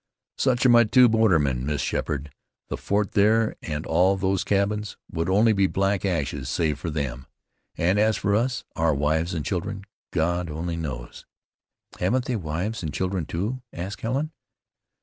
"Such are my two bordermen, Miss Sheppard. The fort there, and all these cabins, would be only black ashes, save for them, and as for us, our wives and children God only knows." "Haven't they wives and children, too?" asked Helen.